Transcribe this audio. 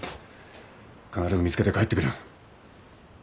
必ず見つけて帰ってくる。